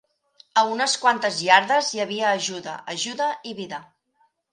A unes quantes iardes hi havia ajuda: ajuda i vida.